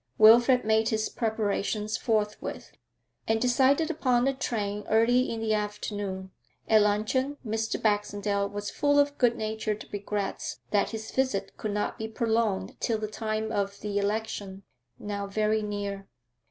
Wilfrid made his preparations forthwith, and decided upon a train early in the afternoon. At luncheon, Mr. Baxendale was full of good natured regrets that his visit could not be prolonged till the time of the election now very near.